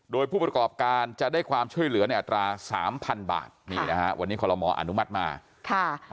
โดยผู้ประกอบการจะได้ความช่วยเหลืออัตรา๓๐๐๐บาท